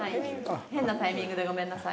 「変なタイミングでごめんなさい」